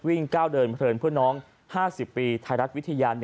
ก้าวเดินเพลินเพื่อนน้อง๕๐ปีไทยรัฐวิทยา๑